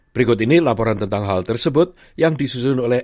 berikut ini laporan tentang hal tersebut yang disusun oleh